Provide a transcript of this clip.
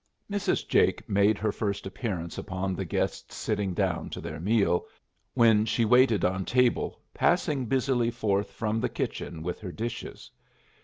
Mrs. Jake made her first appearance upon the guests sitting down to their meal, when she waited on table, passing busily forth from the kitchen with her dishes.